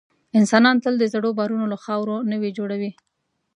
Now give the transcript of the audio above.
انسانان تل د زړو باورونو له خاورو نوي جوړوي.